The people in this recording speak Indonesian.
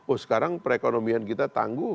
oh sekarang perekonomian kita tangguh